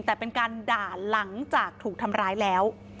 แต่เป็นการด่าหลังจากถูกทำร้ายแล้ว